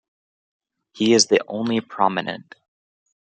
He is the only prominent.